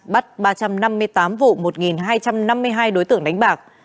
bắt ba trăm năm mươi tám vụ một hai trăm năm mươi hai đối tượng đánh bạc